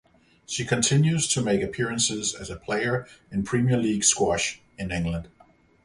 She continues to make appearances as a player in Premier League Squash in England.